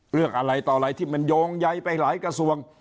เรื่องอะไรต่ออะไรที่มันโยงใยไปหลายกระทรวง